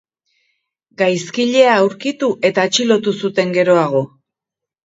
Gaizkilea aurkitu eta atxilotu zuten geroago.